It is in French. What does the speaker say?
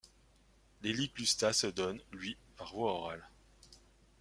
L'éliglustat se donne, lui, par voie orale.